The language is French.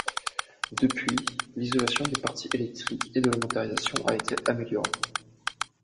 Depuis, l’isolation des parties électriques et de la motorisation a été améliorée.